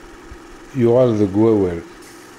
Yuɣal deg wawal.